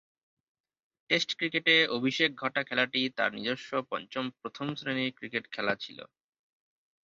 Test ক্রিকেটে অভিষেক ঘটা খেলাটি তার নিজস্ব পঞ্চম প্রথম-শ্রেণীর ক্রিকেট খেলা ছিল।